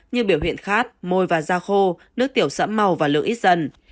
nhưng biểu hiện khác môi và da khô nước tiểu sẫm màu và lượng ít dần